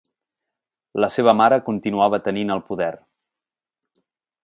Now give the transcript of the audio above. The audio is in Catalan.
La seva mare continuava tenint el poder.